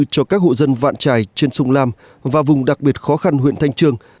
cho các hộ dân vạn trài trên sông lam và vùng đặc biệt khó khăn huyện thanh trương